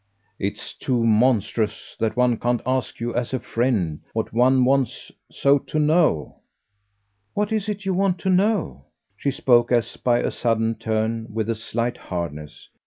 "It's too monstrous that one can't ask you as a friend what one wants so to know." "What is it you want to know?" She spoke, as by a sudden turn, with a slight hardness.